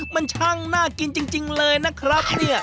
มันช่างน่ากินจริงเลยนะครับเนี่ย